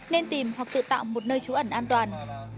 nên tìm hoặc tự tạo một nơi trú ẩn an toàn